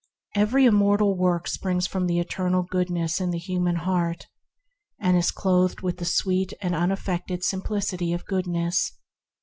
Every immortal work springs from the Eternal Goodness in the human heart, and is clothed with the sweet and unaffected simplicity of goodness.